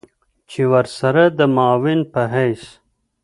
چې ورسره د معاون په حېث